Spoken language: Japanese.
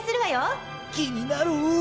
気になる！